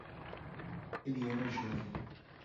Ele era jovem